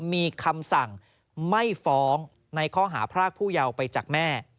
มีคำสั่งไม่ฟ้องในข้อหาพรากผู้เยาว์ไปจากแม่